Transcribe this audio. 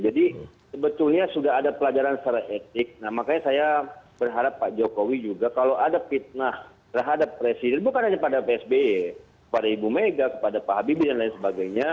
jadi sebetulnya sudah ada pelajaran secara etik nah makanya saya berharap pak jokowi juga kalau ada fitnah terhadap presiden bukan hanya pada psb kepada ibu mega kepada pak habibie dan lain sebagainya